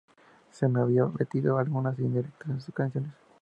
Él me había metido algunas indirectas en sus canciones.